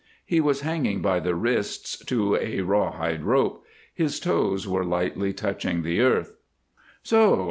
He was hanging by the wrists to a rawhide rope; his toes were lightly touching the earth. "So!